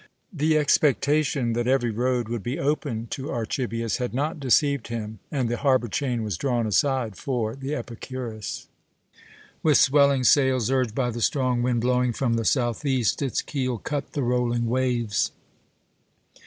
The expectation that every road would be open to Archibius had not deceived him, and the harbour chain was drawn aside for the Epicurus. With swelling sails, urged by the strong wind blowing from the southeast, its keel cut the rolling waves.